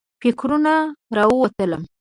فکرونو راووتلم.